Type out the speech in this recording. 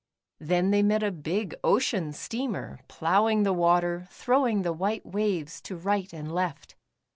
Then thev met a big ocean steamer ploughing the water, throwing the white waves to right and left.